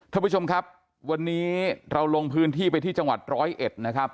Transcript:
ท่านผู้ชมครับวันนี้เราลงพื้นที่ไปที่จังหวัดร้อยเอ็ดนะครับ